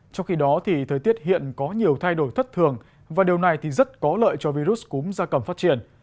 trong khi đó thời tiết hiện có nhiều thay đổi thất thường và điều này rất có lợi cho virus cúng gia cầm phát triển